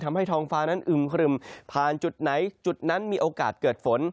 ทำให้ท้องฟ้านั้นอึมครึมผ่านจุดไหนจุดนั้นมีโอกาสเกิดฝน